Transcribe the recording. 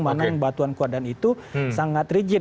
mana yang batuan kuadan itu sangat rigid